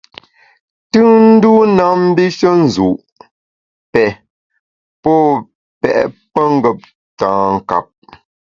Tùnndû na mbishe nzu’, pè, pô pèt pengeptankap.